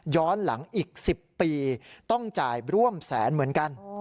หลังอีก๑๐ปีต้องจ่ายร่วมแสนเหมือนกัน